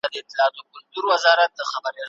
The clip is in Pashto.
رياضي له ژوند سره تړاو لري.